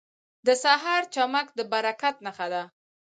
• د سهار چمک د برکت نښه ده.